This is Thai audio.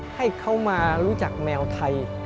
ให้เขามารู้จักแมวไทย